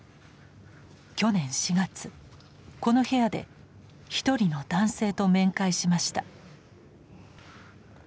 去年４月この部屋で一人の男性と面会しました。